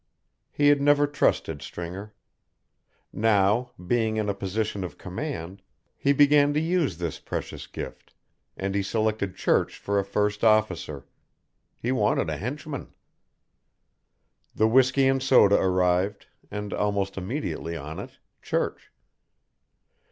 He had never trusted Stringer. Now, being in a position of command, he began to use this precious gift, and he selected Church for a first officer. He wanted a henchman. The whisky and soda arrived, and, almost immediately on it, Church.